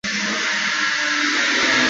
汉江最大支流堵河位于该县境内。